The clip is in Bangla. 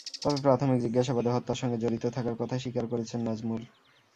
তবে প্রাথমিক জিজ্ঞাসাবাদে হত্যার সঙ্গে জড়িত থাকার কথা অস্বীকার করেছেন নাজমুল।